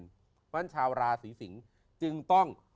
เพราะฉะนั้นชาวราศีสิงศ์จึงต้อง